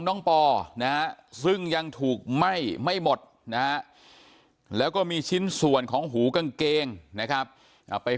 ปอนะฮะซึ่งยังถูกไหม้ไม่หมดนะฮะแล้วก็มีชิ้นส่วนของหูกางเกงนะครับไป